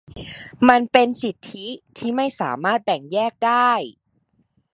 มันเป็นสิทธิที่ไม่สามารถแบ่งแยกได้